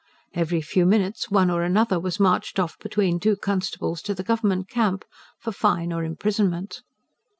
Every few minutes one or another was marched off between two constables to the Government Camp, for fine or imprisonment.